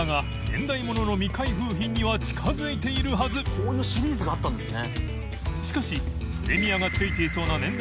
こういうシリーズがあったんですね。